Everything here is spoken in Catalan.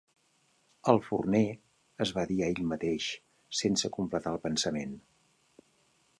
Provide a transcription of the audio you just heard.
"El forner...", es va dir a ell mateix sense completar el pensament.